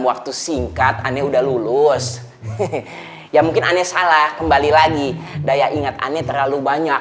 waktu singkat aneh udah lulus ya mungkin aneh salah kembali lagi daya ingat aneh terlalu banyak